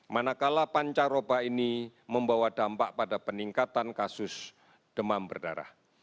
manakala pancaroba ini membawa dampak pada peningkatan kasus demam berdarah